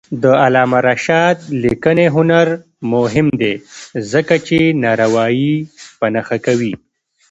د علامه رشاد لیکنی هنر مهم دی ځکه چې ناروايي په نښه کوي.